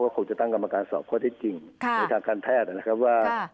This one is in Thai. คงจะตั้งกรรมการสอบข้อที่จริงในทางการแพทย์นะครับว่า